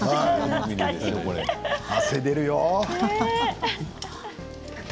汗が出るよ。